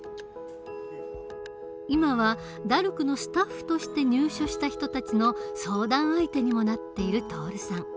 今はＤＡＲＣのスタッフとして入所した人たちの相談相手にもなっている徹さん。